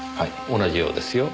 同じようですよ。